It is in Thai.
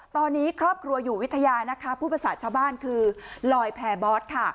ตอนนี้ครอบครัวอยู่วิทยานะคะพูดภาษาชาวบ้านคือลอยแพรบอสค่ะ